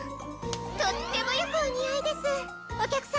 とってもよくお似合いですお客様！